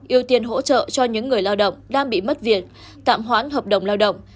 ưu tiên hỗ trợ cho những người lao động đang bị mất việc tạm hoãn hợp đồng lao động